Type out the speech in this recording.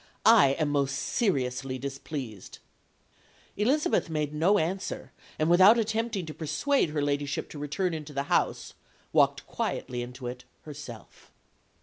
I am most seriously displeased.' "Elizabeth made no answer, and without attempting to persuade her ladyship to return into the house, walked quietly into it herself."